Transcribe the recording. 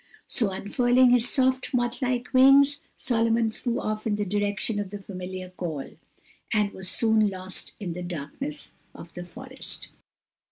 So, unfurling his soft, moth like wings Solomon flew off in the direction of the familiar call, and was soon lost in the darkness of the forest.